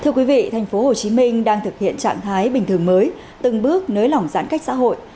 thưa quý vị thành phố hồ chí minh đang thực hiện trạng thái bình thường mới từng bước nới lỏng giãn cách xã hội